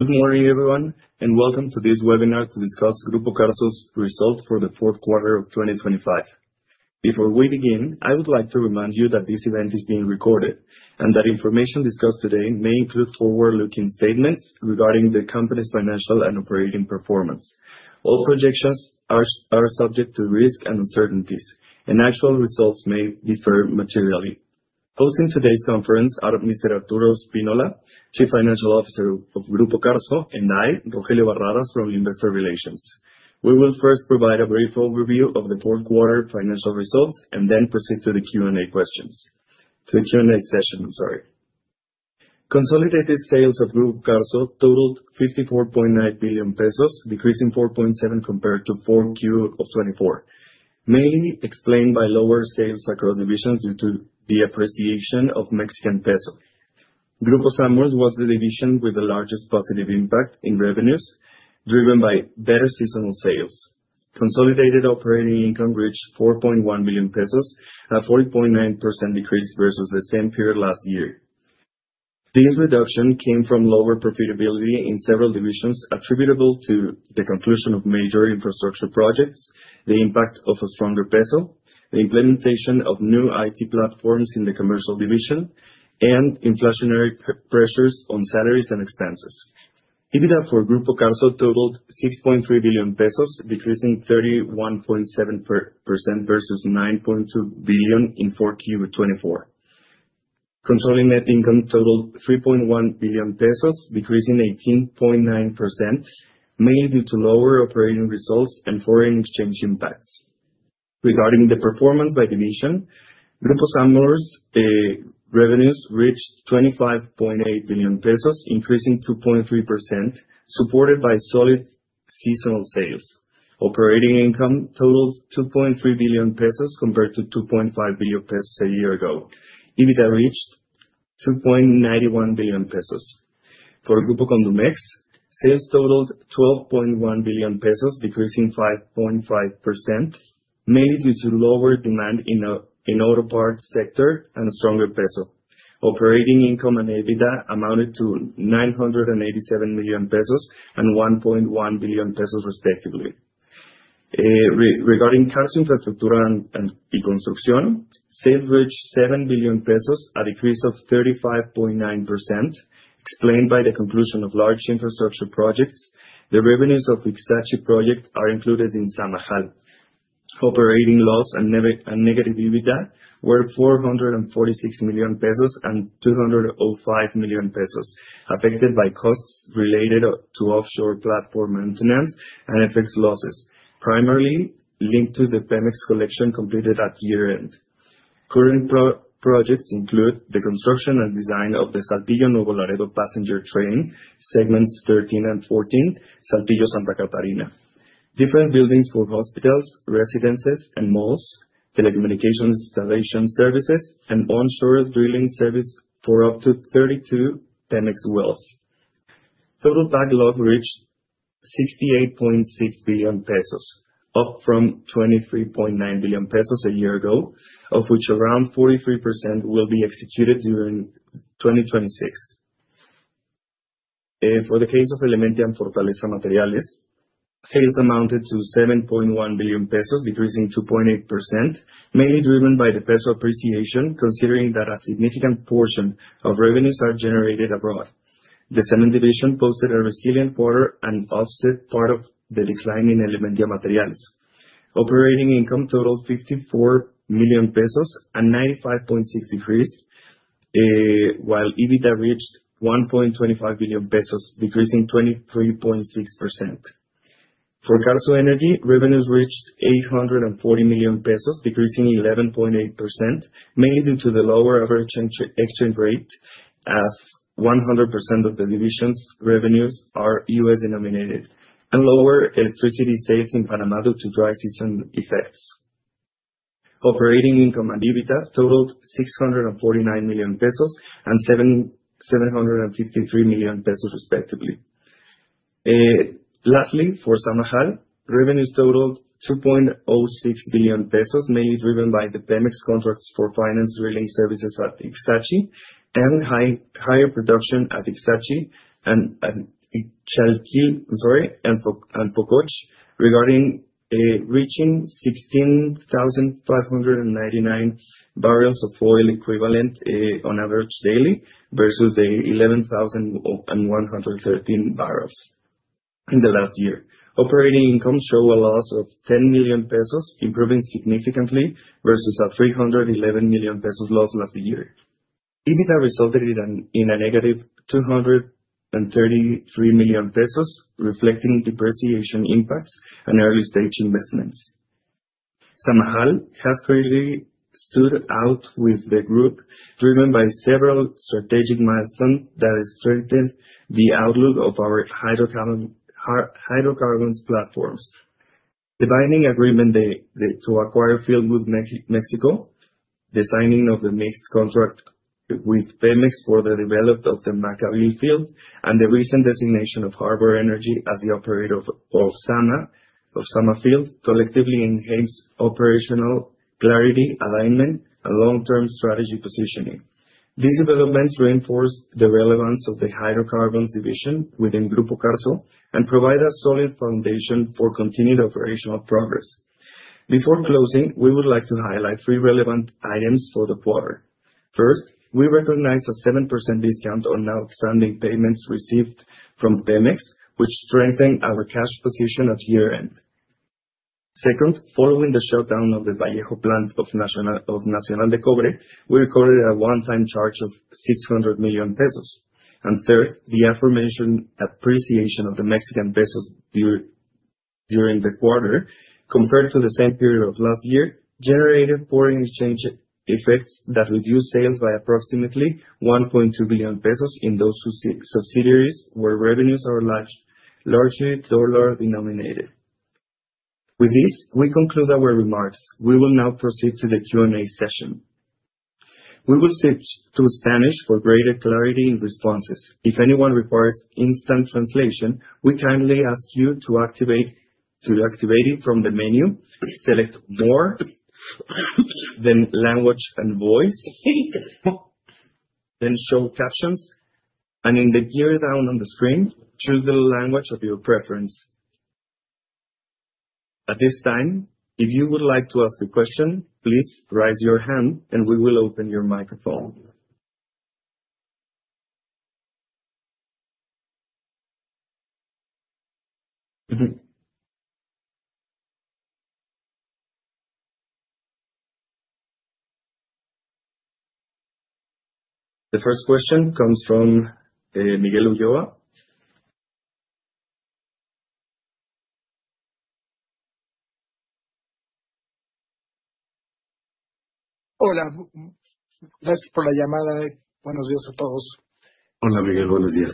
Good morning, everyone, and welcome to this webinar to discuss Grupo Carso's results for the fourth quarter of 2025. Before we begin, I would like to remind you that this event is being recorded and that information discussed today may include forward-looking statements regarding the company's financial and operating performance. All projections are subject to risks and uncertainties, and actual results may differ materially. Hosting today's conference are Mr. Arturo Spínola, Chief Financial Officer of Grupo Carso, and I, Rogelio Barradas, from Investor Relations. We will first provide a brief overview of the fourth quarter financial results and then proceed to the Q&A session. Consolidated sales of Grupo Carso totaled $54.9 billion pesos, decreasing 4.7% compared to fourth quarter of 2024, mainly explained by lower sales across divisions due to the appreciation of the Mexican peso. Grupo Sanborns was the division with the largest positive impact in revenues, driven by better seasonal sales. Consolidated operating income reached $4.1 billion pesos, a 40.9% decrease versus the same period last year. This reduction came from lower profitability in several divisions attributable to the conclusion of major infrastructure projects, the impact of a stronger peso, the implementation of new IT platforms in the commercial division, and inflationary pressures on salaries and expenses. EBITDA for Grupo Carso totaled $6.3 billion pesos, decreasing 31.7% versus $9.2 billion in fourth Q of 2024. Controlling net income totaled $3.1 billion pesos, decreasing 18.9%, mainly due to lower operating results and foreign exchange impacts. Regarding the performance by division, Grupo Sanborns revenues reached $25.8 billion pesos, increasing 2.3%, supported by solid seasonal sales. Operating income totaled $2.3 billion pesos compared to $2.5 billion pesos a year ago. EBITDA reached $2.91 billion pesos. For Grupo Condumex, sales totaled $12.1 billion pesos, decreasing 5.5%, mainly due to lower demand in the auto parts sector and stronger peso. Operating income and EBITDA amounted to $987 million pesos and $1.1 billion pesos, respectively. Regarding Carso Infraestructura y Construcción, sales reached $7 billion pesos, a decrease of 35.9%, explained by the conclusion of large infrastructure projects. The revenues of Ixachi Project are included in Samajal. Operating loss and negative EBITDA were $446 million pesos and $205 million pesos, affected by costs related to offshore platform maintenance and effects losses, primarily linked to the Pemex collection completed at year-end. Current projects include the construction and design of the Saltillo Nuevo Laredo passenger train, segments 13 and 14, Saltillo Santa Catarina; different buildings for hospitals, residences, and malls; telecommunications installation services; and onshore drilling service for up to 32 Pemex wells. Total backlog reached $68.6 billion pesos, up from $23.9 billion pesos a year ago, of which around 43% will be executed during 2026. For the case of Elementia and Fortaleza Materiales, sales amounted to $7.1 billion pesos, decreasing 2.8%, mainly driven by the peso appreciation, considering that a significant portion of revenues are generated abroad. The cement division posted a resilient quarter and offset part of the decline in Elementia Materiales. Operating income totaled $54 million pesos and 95.6%, while EBITDA reached $1.25 billion pesos, decreasing 23.6%. For Carso Energy, revenues reached $840 million pesos, decreasing 11.8%, mainly due to the lower average exchange rate, as 100% of the division's revenues are US-denominated, and lower electricity sales in Panama due to dry season effects. Operating income and EBITDA totaled $649 million pesos and $753 million pesos, respectively. Lastly, for Samajal, revenues totaled $2.06 billion pesos, mainly driven by the Pemex contracts for finance drilling services at Ixachi and higher production at Ixachi and Chalquil and Pokoch, regarding reaching 16,599 barrels of oil equivalent on average daily versus the 11,113 barrels in the last year. Operating income showed a loss of $10 million pesos, improving significantly versus a $311 million pesos loss last year. EBITDA resulted in a negative $233 million pesos, reflecting depreciation impacts and early-stage investments. Samajal has clearly stood out with the group, driven by several strategic milestones that strengthened the outlook of our hydrocarbons platforms: the binding agreement to acquire Fieldwood Mexico, the signing of the mixed contract with Pemex for the development of the Maccabee field, and the recent designation of Harbour Energy as the operator of Sama Field, collectively enhanced operational clarity, alignment, and long-term strategy positioning. These developments reinforced the relevance of the hydrocarbons division within Grupo Carso and provided a solid foundation for continued operational progress. Before closing, we would like to highlight three relevant items for the quarter. First, we recognize a 7% discount on outstanding payments received from Pemex, which strengthened our cash position at year-end. Second, following the shutdown of the Vallejo plant of Nacional de Cobre, we recorded a one-time charge of $600 million pesos. Third, the aforementioned appreciation of the Mexican peso during the quarter, compared to the same period of last year, generated foreign exchange effects that reduced sales by approximately $1.2 billion pesos in those subsidiaries where revenues are largely dollar-denominated. With this, we conclude our remarks. We will now proceed to the Q&A session. We will switch to Spanish for greater clarity in responses. If anyone requires instant translation, we kindly ask you to activate it from the menu, select More, then Language and Voice, then Show Captions, and in the gear icon on the screen, choose the language of your preference. At this time, if you would like to ask a question, please raise your hand and we will open your microphone. The first question comes from Miguel Ulloa. Hola. Gracias por la llamada. Buenos días a todos. Hola, Miguel. Buenos días.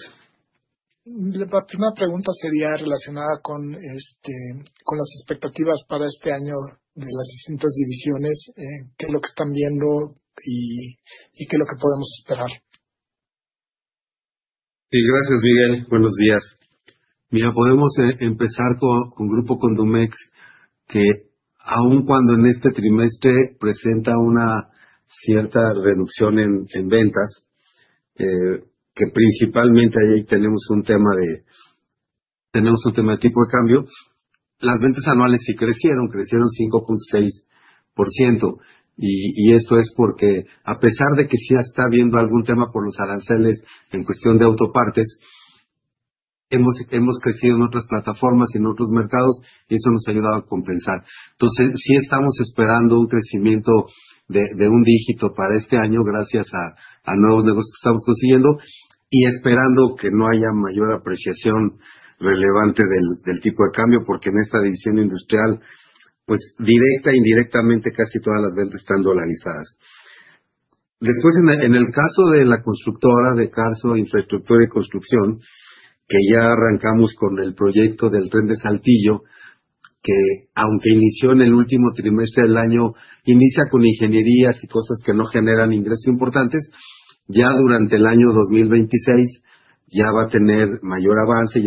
La primera pregunta sería relacionada con las expectativas para este año de las distintas divisiones, qué es lo que están viendo y qué es lo que podemos esperar. Sí, gracias, Miguel. Buenos días. Mira, podemos empezar con Grupo Condumex, que aún cuando en este trimestre presenta una cierta reducción en ventas, que principalmente ahí tenemos un tema de tipo de cambio, las ventas anuales sí crecieron, crecieron 5.6%. Esto es porque, a pesar de que sí está habiendo algún tema por los aranceles en cuestión de autopartes, hemos crecido en otras plataformas y en otros mercados, y eso nos ha ayudado a compensar. Entonces, sí estamos esperando un crecimiento de un dígito para este año, gracias a nuevos negocios que estamos consiguiendo, y esperando que no haya mayor apreciación relevante del tipo de cambio, porque en esta división industrial, directa e indirectamente, casi todas las ventas están dolarizadas. Después, en el caso de la constructora de Carso Infraestructura y Construcción, que ya arrancamos con el proyecto del tren de Saltillo, que aunque inició en el último trimestre del año, inicia con ingenierías y cosas que no generan ingresos importantes, ya durante el año 2026 ya va a tener mayor avance.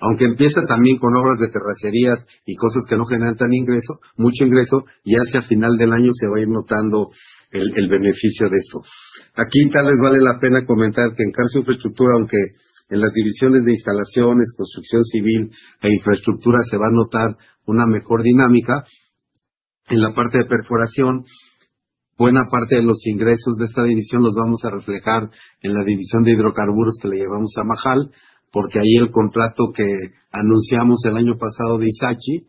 Aunque empieza también con obras de terracerías y cosas que no generan tanto ingreso, mucho ingreso, ya hacia final del año se va a ir notando el beneficio de esto. Aquí tal vez vale la pena comentar que en Carso Infraestructura, aunque en las divisiones de instalaciones, construcción civil e infraestructura se va a notar una mejor dinámica, en la parte de perforación, buena parte de los ingresos de esta división los vamos a reflejar en la división de hidrocarburos que le llevamos a Majal, porque ahí el contrato que anunciamos el año pasado de Ixachi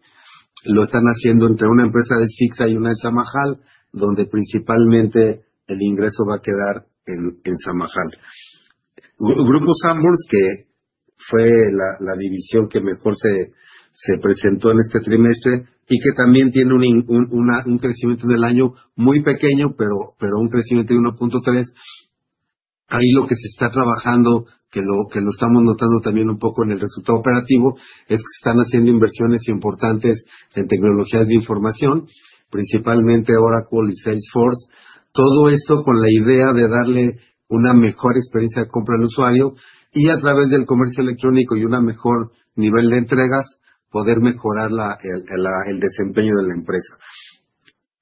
lo están haciendo entre una empresa de Sixa y una de Samajal, donde principalmente el ingreso va a quedar en Samajal. Grupo Samuel, que fue la división que mejor se presentó en este trimestre y que también tiene un crecimiento en el año muy pequeño, pero un crecimiento de 1.3%, ahí lo que se está trabajando, que lo estamos notando también un poco en el resultado operativo, es que se están haciendo inversiones importantes en tecnologías de información, principalmente Oracle y Salesforce. Todo esto con la idea de darle una mejor experiencia de compra al usuario, y a través del comercio electrónico y un mejor nivel de entregas, poder mejorar el desempeño de la empresa.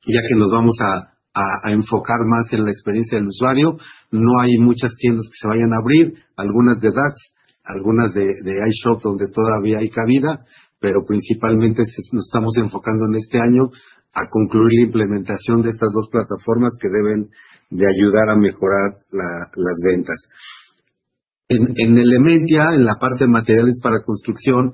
Ya que nos vamos a enfocar más en la experiencia del usuario, no hay muchas tiendas que se vayan a abrir, algunas de Dax, algunas de iShop, donde todavía hay cabida, pero principalmente nos estamos enfocando en este año a concluir la implementación de estas dos plataformas que deben de ayudar a mejorar las ventas. En Elementia, en la parte de materiales para construcción,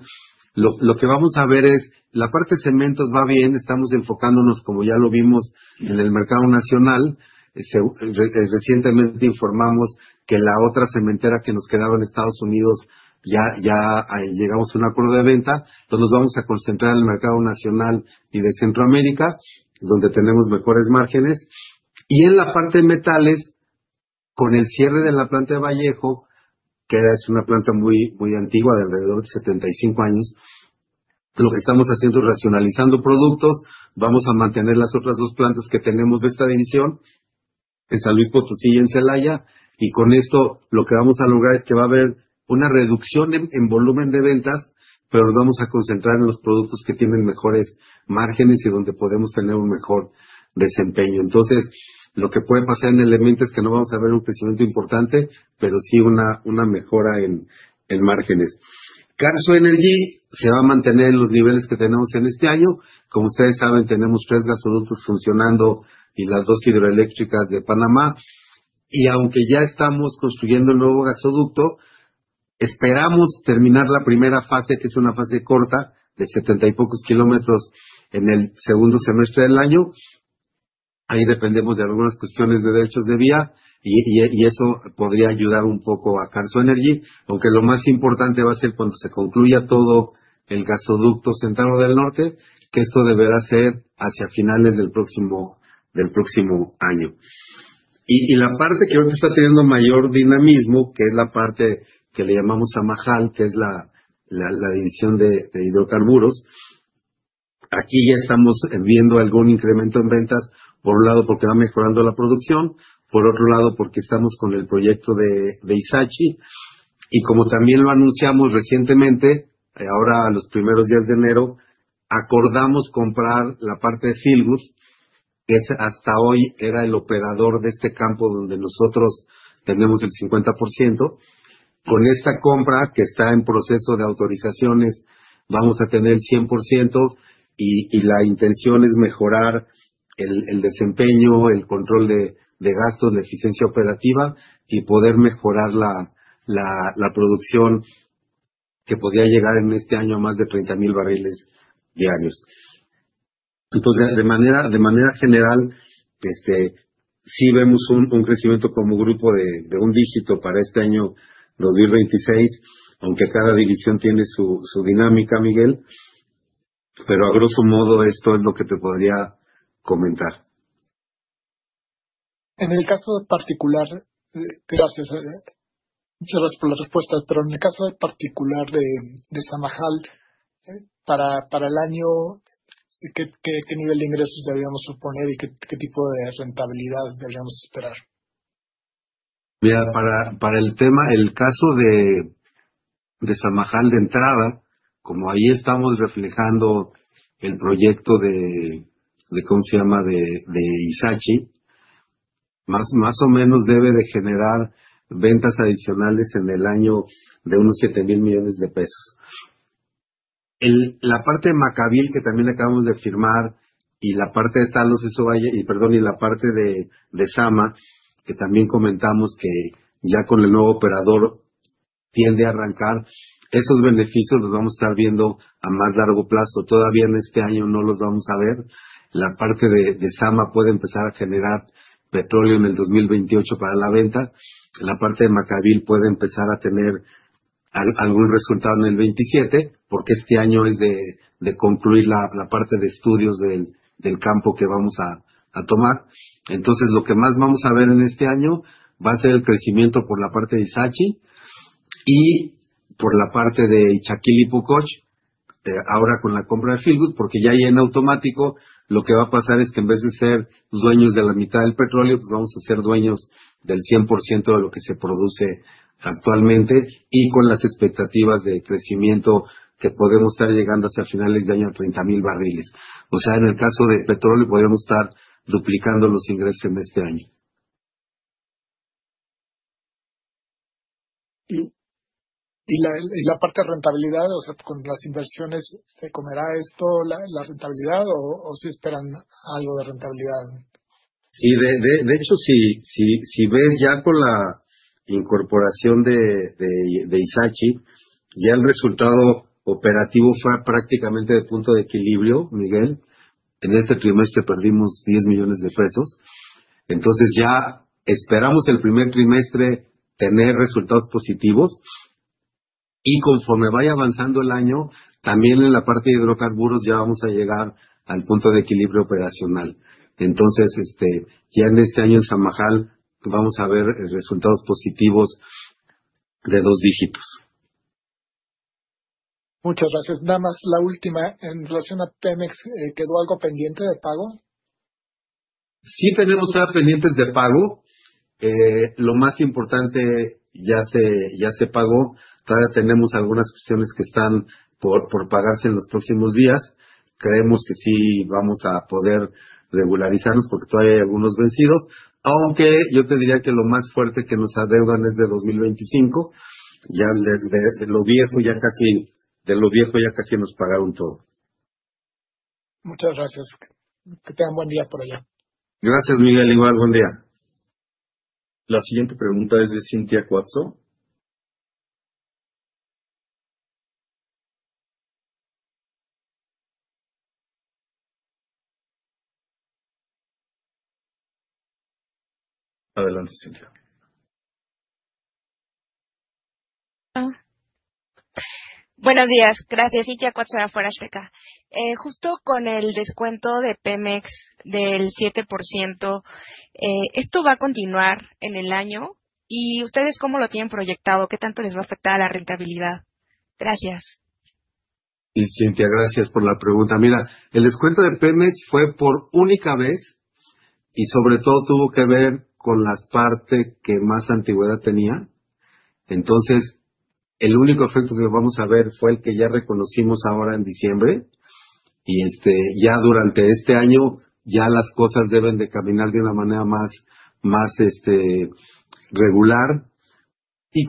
lo que vamos a ver es: la parte de cementos va bien, estamos enfocándonos, como ya lo vimos, en el mercado nacional. Recientemente informamos que la otra cementera que nos quedaba en Estados Unidos, ya llegamos a un acuerdo de venta, entonces nos vamos a concentrar en el mercado nacional y de Centroamérica, donde tenemos mejores márgenes. En la parte de metales, con el cierre de la planta de Vallejo, que es una planta muy antigua, de alrededor de 75 años, lo que estamos haciendo es racionalizando productos, vamos a mantener las otras dos plantas que tenemos de esta división, en San Luis Potosí y en Celaya, y con esto lo que vamos a lograr es que va a haber una reducción en volumen de ventas, pero nos vamos a concentrar en los productos que tienen mejores márgenes y donde podemos tener un mejor desempeño. Entonces, lo que puede pasar en Elementia es que no vamos a ver un crecimiento importante, pero sí una mejora en márgenes. Carso Energy se va a mantener en los niveles que tenemos en este año. Como ustedes saben, tenemos tres gasoductos funcionando y las dos hidroeléctricas de Panamá. Y aunque ya estamos construyendo el nuevo gasoducto, esperamos terminar la primera fase, que es una fase corta de 70 y pocos kilómetros en el segundo semestre del año. Ahí dependemos de algunas cuestiones de derechos de vía, y eso podría ayudar un poco a Carso Energy, aunque lo más importante va a ser cuando se concluya todo el gasoducto central o del norte, que esto deberá ser hacia finales del próximo año. Y la parte que ahorita está teniendo mayor dinamismo, que es la parte que le llamamos Samajal, que es la división de hidrocarburos, aquí ya estamos viendo algún incremento en ventas, por un lado porque va mejorando la producción, por otro lado porque estamos con el proyecto de Ixachi. Y como también lo anunciamos recientemente, ahora a los primeros días de enero, acordamos comprar la parte de Fieldwood, que hasta hoy era el operador de este campo donde nosotros tenemos el 50%. Con esta compra, que está en proceso de autorizaciones, vamos a tener el 100%, y la intención es mejorar el desempeño, el control de gastos, la eficiencia operativa, y poder mejorar la producción que podría llegar en este año a más de 30,000 barriles diarios. Entonces, de manera general, sí vemos un crecimiento como grupo de un dígito para este año 2026, aunque cada división tiene su dinámica, Miguel. Pero a grosso modo, esto es lo que te podría comentar. En el caso particular, gracias, muchas gracias por las respuestas. Pero en el caso particular de Samajal, para el año, ¿qué nivel de ingresos deberíamos suponer y qué tipo de rentabilidad deberíamos esperar? Mira, para el tema, el caso de Samajal de entrada, como ahí estamos reflejando el proyecto de, ¿cómo se llama?, de Ixachi, más o menos debe de generar ventas adicionales en el año de unos $7,000 millones de pesos. La parte de Maccabee, que también acabamos de firmar, y la parte de Talos, eso vaya, y perdón, y la parte de Sama, que también comentamos que ya con el nuevo operador tiende a arrancar, esos beneficios los vamos a estar viendo a más largo plazo, todavía en este año no los vamos a ver. La parte de Sama puede empezar a generar petróleo en el 2028 para la venta, la parte de Maccabee puede empezar a tener algún resultado en el 2027, porque este año es de concluir la parte de estudios del campo que vamos a tomar. Entonces, lo que más vamos a ver en este año va a ser el crecimiento por la parte de Ixachi, y por la parte de Ixaquil y Pococh, ahora con la compra de Fieldwood, porque ya ahí en automático lo que va a pasar es que en vez de ser dueños de la mitad del petróleo, vamos a ser dueños del 100% de lo que se produce actualmente, y con las expectativas de crecimiento que podemos estar llegando hacia finales de año a 30,000 barriles. O sea, en el caso de petróleo podríamos estar duplicando los ingresos en este año. Y la parte de rentabilidad, o sea, con las inversiones, ¿se comerá esto la rentabilidad o sí esperan algo de rentabilidad? Sí, de hecho, si ves ya con la incorporación de Ixtachi, ya el resultado operativo fue prácticamente de punto de equilibrio, Miguel. En este trimestre perdimos $10 millones de pesos. Entonces, ya esperamos el primer trimestre tener resultados positivos, y conforme vaya avanzando el año, también en la parte de hidrocarburos ya vamos a llegar al punto de equilibrio operacional. Entonces, ya en este año en Samajal vamos a ver resultados positivos de dos dígitos. Muchas gracias. Nada más la última, en relación a Pemex, ¿quedó algo pendiente de pago? Sí, tenemos todavía pendientes de pago. Lo más importante ya se pagó, todavía tenemos algunas cuestiones que están por pagarse en los próximos días. Creemos que sí vamos a poder regularizarnos, porque todavía hay algunos vencidos. Aunque yo te diría que lo más fuerte que nos adeudan es de 2025, ya de lo viejo ya casi nos pagaron todo. Muchas gracias. Que tengan buen día por allá. Gracias, Miguel. Igual, buen día. La siguiente pregunta es de Cintya Coatzo. Adelante, Cynthia. Buenos días. Gracias, Cynthia Coatzo de Afuera Azteca. Justo con el descuento de Pemex del 7%, ¿esto va a continuar en el año? Y ustedes, ¿cómo lo tienen proyectado? ¿Qué tanto les va a afectar a la rentabilidad? Gracias. Sí, Cynthia, gracias por la pregunta. Mira, el descuento de Pemex fue por única vez, y sobre todo tuvo que ver con la parte que más antigüedad tenía. Entonces, el único efecto que vamos a ver fue el que ya reconocimos ahora en diciembre, y ya durante este año las cosas deben de caminar de una manera más regular.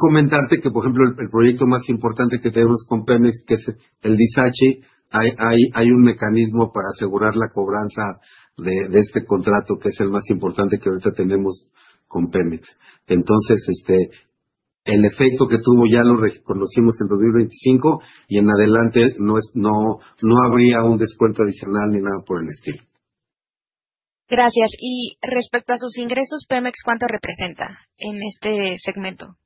Comentarte que, por ejemplo, el proyecto más importante que tenemos con Pemex, que es el de Ixtachi, hay un mecanismo para asegurar la cobranza de este contrato, que es el más importante que ahorita tenemos con Pemex. Entonces, el efecto que tuvo ya lo reconocimos en 2025, y en adelante no habría un descuento adicional ni nada por el estilo. Gracias. Y respecto a sus ingresos, Pemex, ¿cuánto representa en este segmento?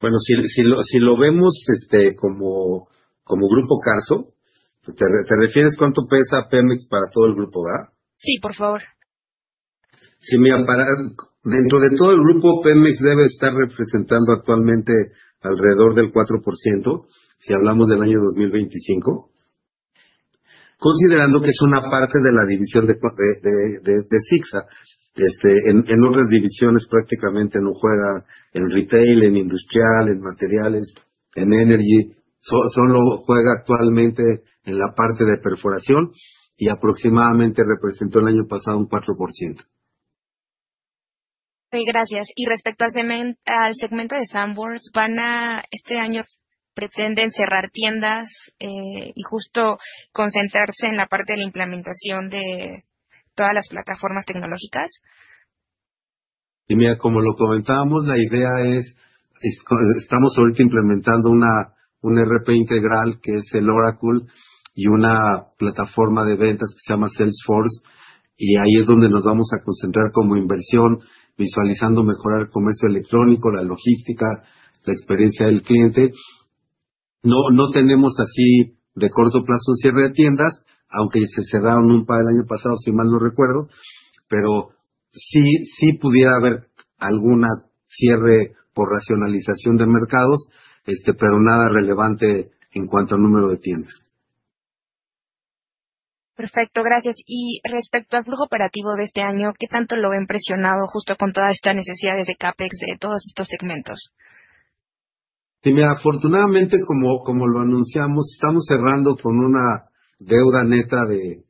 Bueno, si lo vemos como Grupo Carso, ¿te refieres a cuánto pesa Pemex para todo el grupo, verdad? Sí, por favor. Sí, mira, dentro de todo el grupo, Pemex debe estar representando actualmente alrededor del 4%, si hablamos del año 2025, considerando que es una parte de la división de Sixa. En otras divisiones prácticamente no juega: en retail, en industrial, en materiales, en energy. Solo juega actualmente en la parte de perforación, y aproximadamente representó el año pasado un 4%. Gracias. Y respecto al segmento de Samuel, ¿este año pretenden cerrar tiendas y justo concentrarse en la parte de la implementación de todas las plataformas tecnológicas? Sí, mira, como lo comentábamos, la idea es: estamos ahorita implementando un ERP integral, que es el Oracle, y una plataforma de ventas que se llama Salesforce, y ahí es donde nos vamos a concentrar como inversión, visualizando mejorar el comercio electrónico, la logística, la experiencia del cliente. No tenemos así de corto plazo un cierre de tiendas, aunque se cerraron un par el año pasado, si mal no recuerdo. Pero sí pudiera haber algún cierre por racionalización de mercados, pero nada relevante en cuanto a número de tiendas. Perfecto, gracias. Y respecto al flujo operativo de este año, ¿qué tanto lo ven presionado justo con todas estas necesidades de CAPEX de todos estos segmentos? Sí, mira, afortunadamente, como lo anunciamos, estamos cerrando con una deuda neta de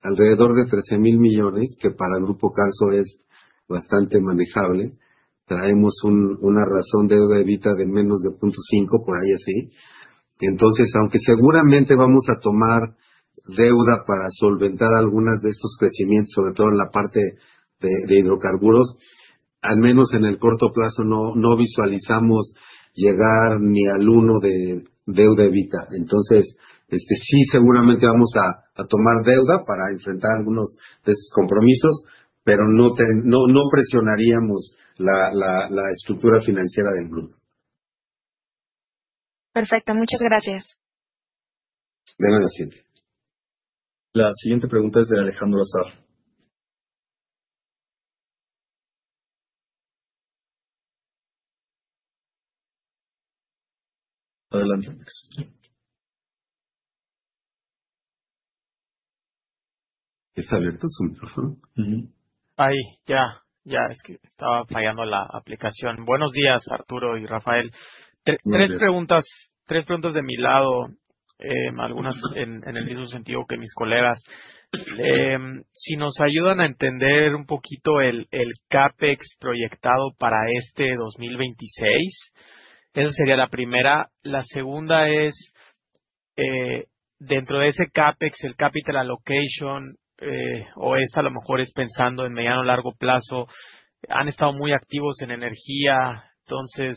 alrededor de $13,000 millones, que para Grupo Carso es bastante manejable. Traemos una razón deuda EBITDA de menos de 0.5%, por ahí así. Entonces, aunque seguramente vamos a tomar deuda para solventar algunas de estos crecimientos, sobre todo en la parte de hidrocarburos, al menos en el corto plazo no visualizamos llegar ni al uno de deuda EBITDA. Entonces, sí seguramente vamos a tomar deuda para enfrentar algunos de estos compromisos, pero no presionaríamos la estructura financiera del grupo. Perfecto, muchas gracias. Déjame decirte. La siguiente pregunta es de Alejandro Azar. Adelante, Cynthia. ¿Está abierto su micrófono? Ahí, ya, es que estaba fallando la aplicación. Buenos días, Arturo y Rafael. Tres preguntas de mi lado, algunas en el mismo sentido que mis colegas. Si nos ayudan a entender un poquito el CAPEX proyectado para este 2026, esa sería la primera. La segunda es: dentro de ese CAPEX, el capital allocation, o esta a lo mejor es pensando en mediano o largo plazo, han estado muy activos en energía. Entonces,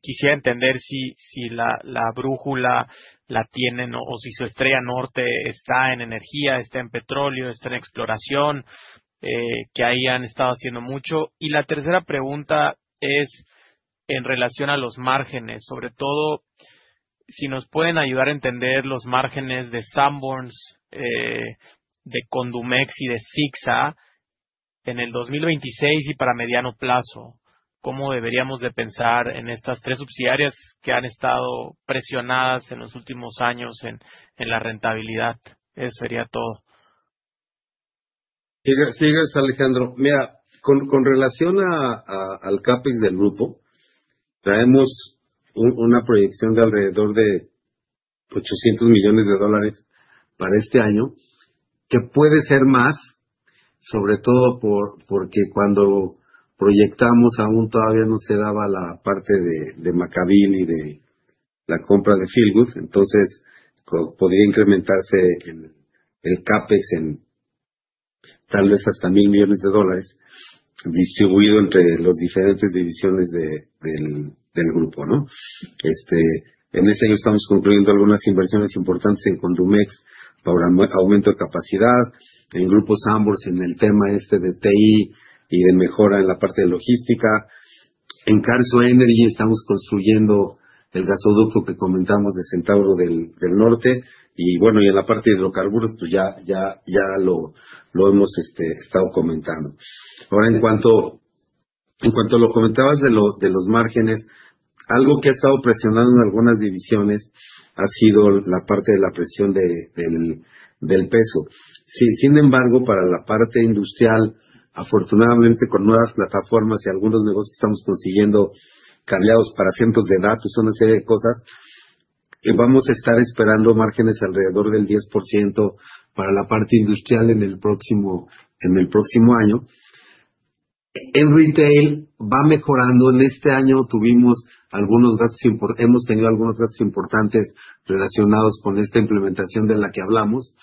quisiera entender si la brújula la tienen o si su estrella norte está en energía, está en petróleo, está en exploración, que ahí han estado haciendo mucho. Y la tercera pregunta es en relación a los márgenes, sobre todo si nos pueden ayudar a entender los márgenes de Sanborns, de Condumex y de Sixa en el 2026 y para mediano plazo, cómo deberíamos de pensar en estas tres subsidiarias que han estado presionadas en los últimos años en la rentabilidad. Eso sería todo. Sigues, Alejandro. Mira, con relación al CAPEX del grupo, traemos una proyección de alrededor de $800 millones para este año, que puede ser más, sobre todo porque cuando proyectamos aún todavía no se daba la parte de Maccabee ni de la compra de Fieldwood, entonces podría incrementarse el CAPEX en tal vez hasta $1,000 millones, distribuido entre las diferentes divisiones del grupo. En ese año estamos concluyendo algunas inversiones importantes en Condumex para aumento de capacidad, en Grupo Sanborns en el tema de TI y de mejora en la parte de logística. En Carso Energy estamos construyendo el gasoducto que comentamos de Centauro del Norte, y en la parte de hidrocarburos ya lo hemos estado comentando. Ahora, en cuanto a lo que comentabas de los márgenes, algo que ha estado presionando en algunas divisiones ha sido la parte de la presión del peso. Sin embargo, para la parte industrial, afortunadamente con nuevas plataformas y algunos negocios que estamos consiguiendo cableados para centros de datos, una serie de cosas, vamos a estar esperando márgenes alrededor del 10% para la parte industrial en el próximo año. En retail va mejorando. En este año hemos tenido algunos gastos importantes relacionados con esta implementación de la que hablamos;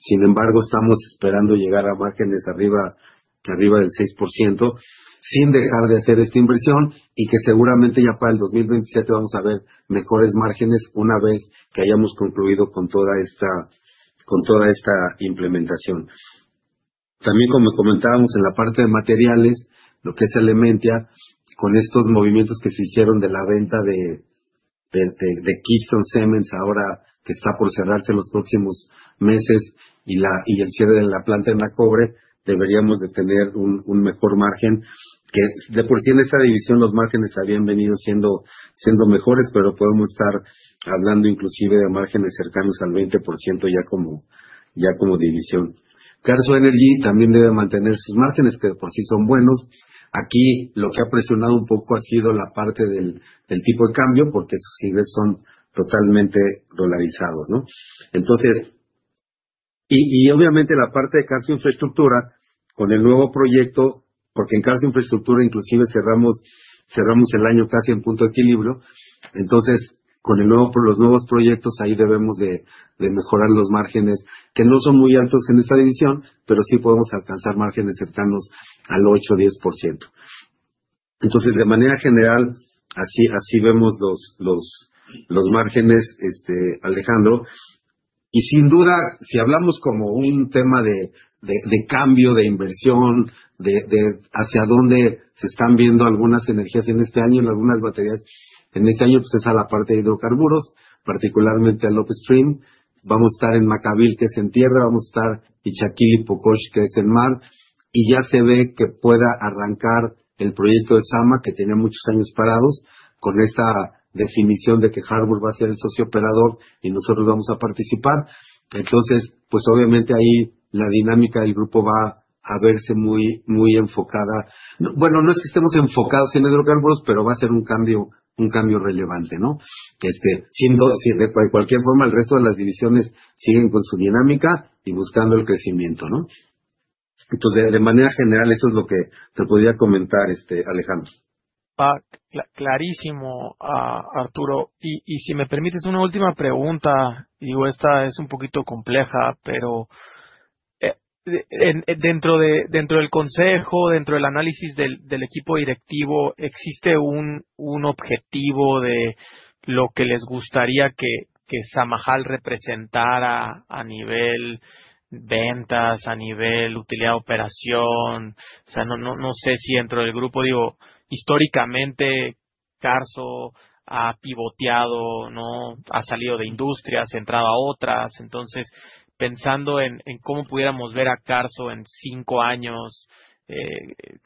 sin embargo, estamos esperando llegar a márgenes arriba del 6%, sin dejar de hacer esta inversión, y que seguramente ya para el 2027 vamos a ver mejores márgenes una vez que hayamos concluido con toda esta implementación. También, como comentábamos en la parte de materiales, lo que es Elementia, con estos movimientos que se hicieron de la venta de Keystone Cement, ahora que está por cerrarse en los próximos meses, y el cierre de la planta en Acobre, deberíamos de tener un mejor margen. De por sí, en esta división los márgenes habían venido siendo mejores, pero podemos estar hablando inclusive de márgenes cercanos al 20% ya como división. Carso Energy también debe mantener sus márgenes, que de por sí son buenos. Aquí lo que ha presionado un poco ha sido la parte del tipo de cambio, porque sus índices son totalmente dolarizados. Y, obviamente, la parte de Carso Infraestructura con el nuevo proyecto, porque en Carso Infraestructura inclusive cerramos el año casi en punto de equilibrio. Entonces, con los nuevos proyectos ahí debemos de mejorar los márgenes, que no son muy altos en esta división, pero sí podemos alcanzar márgenes cercanos al 8% o 10%. Entonces, de manera general, así vemos los márgenes, Alejandro. Y, sin duda, si hablamos como un tema de cambio, de inversión, hacia dónde se están viendo algunas energías en este año, en algunas baterías en este año, es a la parte de hidrocarburos, particularmente a López Stream. Vamos a estar en Maccabee, que es en tierra; vamos a estar en Ichaquil y Pocosh, que es en mar. Y ya se ve que pueda arrancar el proyecto de Zama, que tenía muchos años parado, con esta definición de que Harbor va a ser el socio operador y nosotros vamos a participar. Entonces, obviamente ahí la dinámica del grupo va a verse muy enfocada. Bueno, no es que estemos enfocados en hidrocarburos, pero va a ser un cambio relevante. De cualquier forma, el resto de las divisiones siguen con su dinámica y buscando el crecimiento. Entonces, de manera general, eso es lo que te podría comentar, Alejandro. Clarísimo, Arturo. Y si me permites una última pregunta, y digo esta es un poquito compleja, pero dentro del Consejo, dentro del análisis del equipo directivo, ¿existe un objetivo de lo que les gustaría que Samajal representara a nivel ventas, a nivel utilidad, operación? O sea, no sé si dentro del grupo, digo, históricamente Carso ha pivoteado, ha salido de industrias, ha entrado a otras. Entonces, pensando en cómo pudiéramos ver a Carso en cinco años,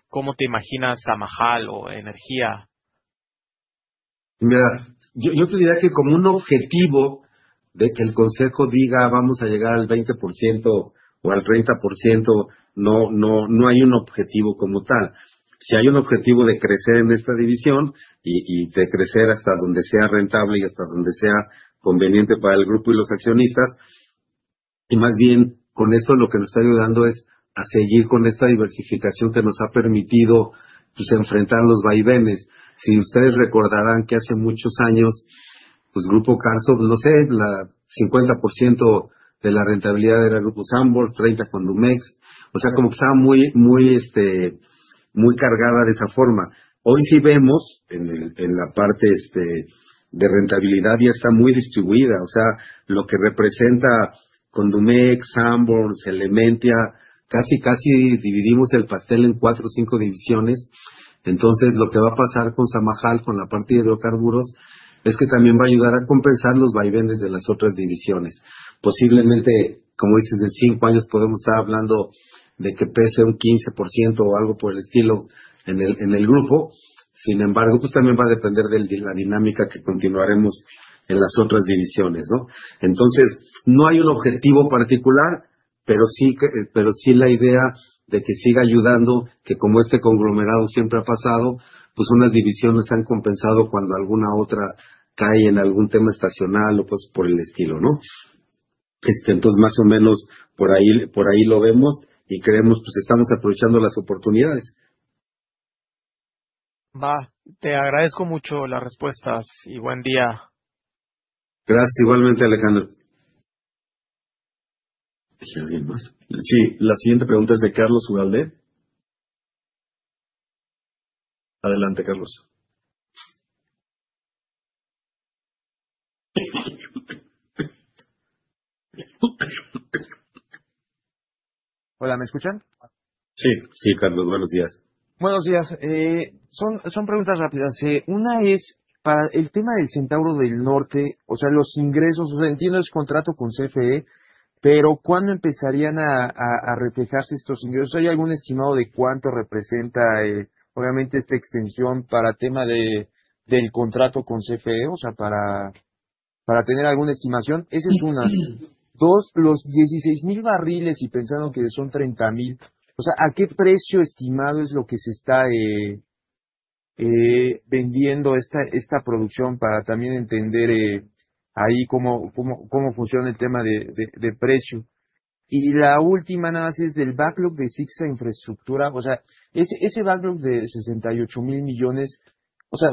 ¿cómo te imaginas Samajal o Energía? Mira, yo te diría que como un objetivo de que el Consejo diga: "Vamos a llegar al 20% o al 30%", no hay un objetivo como tal. Sí hay un objetivo de crecer en esta división y de crecer hasta donde sea rentable y hasta donde sea conveniente para el grupo y los accionistas, y más bien con eso lo que nos está ayudando es a seguir con esta diversificación que nos ha permitido enfrentar los vaivenes. Si ustedes recordarán que hace muchos años Grupo Carso, no sé, el 50% de la rentabilidad era Grupo Sanborns, 30% Condumex. O sea, como que estaba muy cargada de esa forma. Hoy sí vemos en la parte de rentabilidad, ya está muy distribuida. O sea, lo que representa Condumex, Sanborns, Elementia, casi dividimos el pastel en cuatro o cinco divisiones. Entonces, lo que va a pasar con Samajal, con la parte de hidrocarburos, es que también va a ayudar a compensar los vaivenes de las otras divisiones. Posiblemente, como dices, en cinco años podemos estar hablando de que pese un 15% o algo por el estilo en el grupo; sin embargo, también va a depender de la dinámica que continuaremos en las otras divisiones. Entonces, no hay un objetivo particular, pero sí la idea de que siga ayudando, que como este conglomerado siempre ha pasado, unas divisiones se han compensado cuando alguna otra cae en algún tema estacional o por el estilo. Entonces, más o menos por ahí lo vemos y creemos que estamos aprovechando las oportunidades. Te agradezco mucho las respuestas y buen día. Gracias, igualmente, Alejandro. ¿Dejé a alguien más? Sí, la siguiente pregunta es de Carlos Ugalde. Adelante, Carlos. Hola, ¿me escuchan? Sí, Carlos, buenos días. Buenos días. Son preguntas rápidas. Una es para el tema del Centauro del Norte, o sea, los ingresos. Entiendo que es contrato con CFE, pero ¿cuándo empezarían a reflejarse estos ingresos? ¿Hay algún estimado de cuánto representa, obviamente, esta extensión para tema del contrato con CFE? O sea, para tener alguna estimación. Esa es una. Dos, los 16,000 barriles, y pensando que son 30,000, o sea, ¿a qué precio estimado es lo que se está vendiendo esta producción? Para también entender ahí cómo funciona el tema de precio. Y la última nada más es del backlog de Sixa Infraestructura. O sea, ese backlog de $68,000 millones,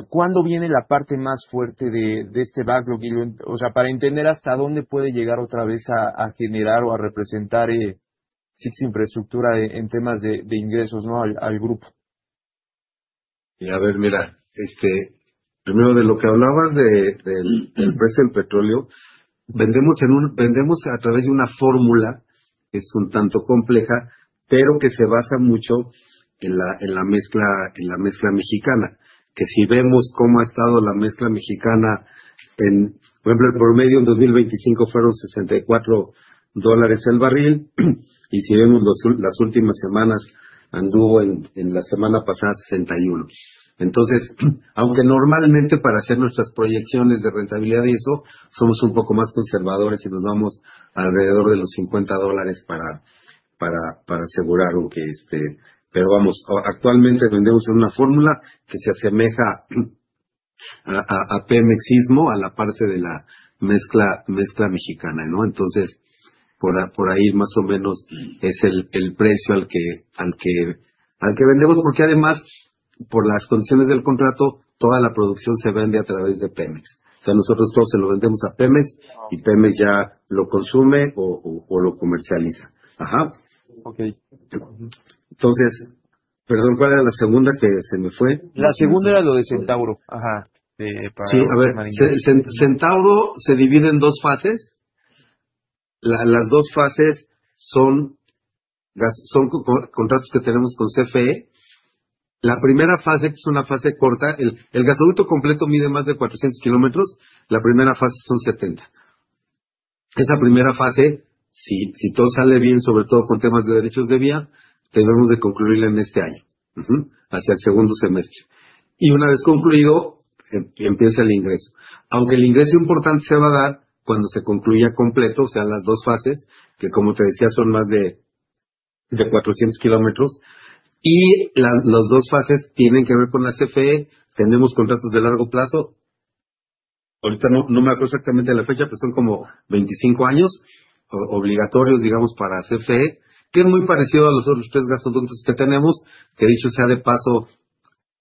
¿cuándo viene la parte más fuerte de este backlog? O sea, para entender hasta dónde puede llegar otra vez a generar o a representar Sixa Infraestructura en temas de ingresos al grupo. A ver, mira, primero de lo que hablabas del precio del petróleo, vendemos a través de una fórmula que es un tanto compleja, pero que se basa mucho en la mezcla mexicana. Que si vemos cómo ha estado la mezcla mexicana, por ejemplo, el promedio en 2024 fueron $64 el barril, y si vemos las últimas semanas, anduvo en la semana pasada $61. Entonces, aunque normalmente para hacer nuestras proyecciones de rentabilidad y eso, somos un poco más conservadores y nos vamos alrededor de los $50 para asegurar que... Pero vamos, actualmente vendemos en una fórmula que se asemeja a Pemex, a la parte de la mezcla mexicana. Entonces, por ahí más o menos es el precio al que vendemos, porque además, por las condiciones del contrato, toda la producción se vende a través de Pemex. O sea, nosotros todo se lo vendemos a Pemex y Pemex ya lo consume o lo comercializa. Okay. Entonces, perdón, ¿cuál era la segunda? Que se me fue. La segunda era lo de Centauro. Sí, a ver, Centauro se divide en dos fases. Las dos fases son contratos que tenemos con CFE. La primera fase, que es una fase corta, el gasoducto completo mide más de 400 kilómetros, la primera fase son 70. Esa primera fase, si todo sale bien, sobre todo con temas de derechos de vía, debemos de concluirla en este año, hacia el segundo semestre. Una vez concluido, empieza el ingreso. Aunque el ingreso importante se va a dar cuando se concluya completo, o sea, las dos fases, que como te decía son más de 400 kilómetros. Las dos fases tienen que ver con la CFE. Tenemos contratos de largo plazo, ahorita no me acuerdo exactamente de la fecha, pero son como 25 años obligatorios para CFE, que es muy parecido a los otros tres gasoductos que tenemos. Que dicho sea de paso,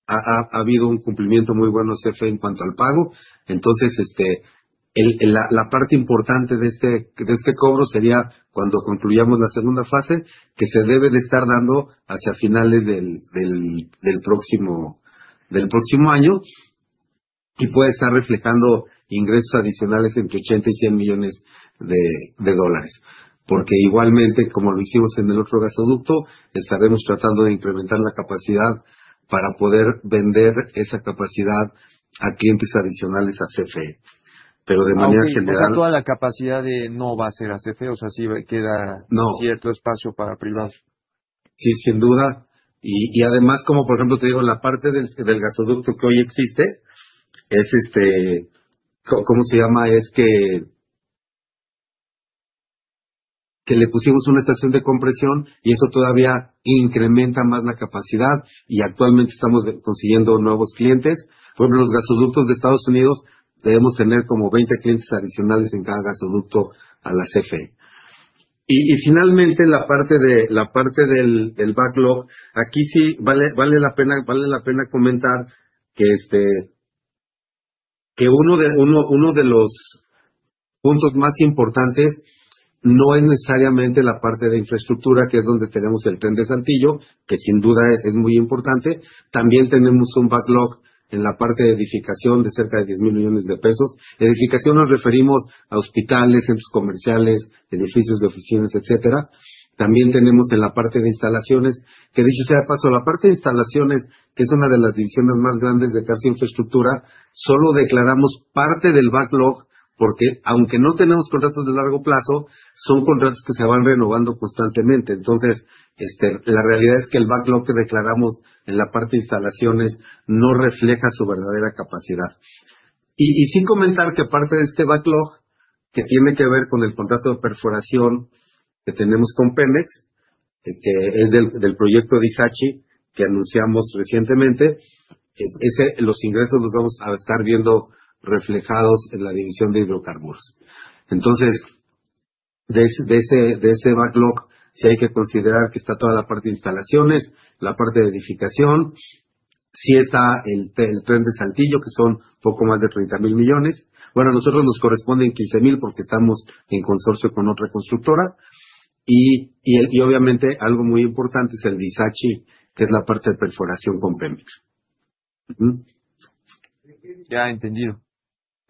ha habido un cumplimiento muy bueno de CFE en cuanto al pago. Entonces, la parte importante de este cobro sería, cuando concluyamos la segunda fase, que se debe de estar dando hacia finales del próximo año, y puede estar reflejando ingresos adicionales entre $80 y $100 millones de dólares. Porque igualmente, como lo hicimos en el otro gasoducto, estaremos tratando de incrementar la capacidad para poder vender esa capacidad a clientes adicionales a CFE. Pero de manera general. O sea, toda la capacidad no va a ser a CFE? O sea, sí queda cierto espacio para privados. Sí, sin duda. Y además, como por ejemplo te digo, la parte del gasoducto que hoy existe, es que le pusimos una estación de compresión y eso todavía incrementa más la capacidad, y actualmente estamos consiguiendo nuevos clientes. Por ejemplo, en los gasoductos de Estados Unidos, debemos tener como 20 clientes adicionales en cada gasoducto a la CFE. Y finalmente, la parte del backlog, aquí sí vale la pena comentar que uno de los puntos más importantes no es necesariamente la parte de infraestructura, que es donde tenemos el tren de Saltillo, que sin duda es muy importante. También tenemos un backlog en la parte de edificación de cerca de $10,000 millones de pesos. Edificación nos referimos a hospitales, centros comerciales, edificios de oficinas, etcétera. También tenemos en la parte de instalaciones, que dicho sea de paso, la parte de instalaciones, que es una de las divisiones más grandes de Carso Infraestructura, solo declaramos parte del backlog, porque aunque no tenemos contratos de largo plazo, son contratos que se van renovando constantemente. Entonces, la realidad es que el backlog que declaramos en la parte de instalaciones no refleja su verdadera capacidad. Y sin comentar que parte de este backlog, que tiene que ver con el contrato de perforación que tenemos con Pemex, que es del proyecto de Isachi que anunciamos recientemente, los ingresos los vamos a estar viendo reflejados en la división de hidrocarburos. Entonces, de ese backlog sí hay que considerar que está toda la parte de instalaciones, la parte de edificación, sí está el tren de Saltillo, que son poco más de $30,000 millones. Bueno, a nosotros nos corresponden $15,000 porque estamos en consorcio con otra constructora. Y obviamente, algo muy importante es el de Isachi, que es la parte de perforación con Pemex. Ya entendido.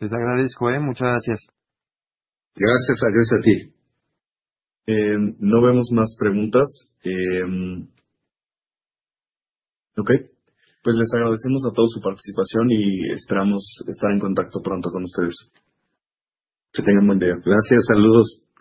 Les agradezco, muchas gracias. Gracias, te agradezco. No vemos más preguntas. Okay, pues les agradecemos a todos su participación y esperamos estar en contacto pronto con ustedes. Que tengan buen día. Gracias, saludos.